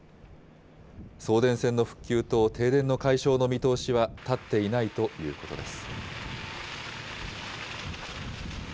送電線の復旧と停電の解消の見通しは立っていないということです。